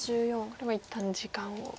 これは一旦時間を。